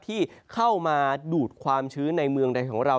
ที่เข้ามาดูดความชื้นในเมืองใดของเรา